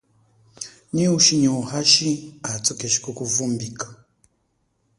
Nyi ushi nyi uhashi athu keshi kukuvumbika.